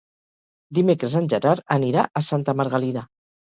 Dimecres en Gerard anirà a Santa Margalida.